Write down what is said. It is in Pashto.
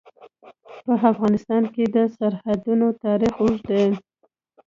په افغانستان کې د سرحدونه تاریخ اوږد دی.